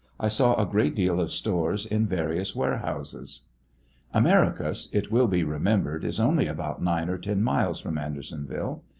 I saw a great deal of stores in various ware houses. Americus. it will be remembered, is only about nine or ten miles from Ander sonville.